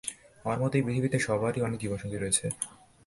আমার মতে, এই পৃথিবীতে, সবারই অনেক জীবনসঙ্গী রয়েছে।